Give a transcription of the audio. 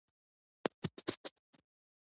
د ایمونوهیسټوکیمسټري انټي باډي کاروي.